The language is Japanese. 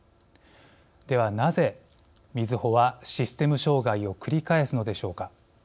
ではなぜ、みずほはシステム障害を繰り返すのでしょうか。